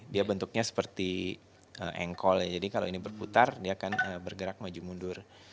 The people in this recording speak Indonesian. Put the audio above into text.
dia bentuknya seperti engkol jadi kalau ini berputar dia akan bergerak maju mundur